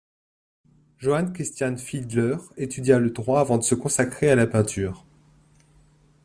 Johann Christian Fiedler étudia le droit avant de se consacrer à la peinture.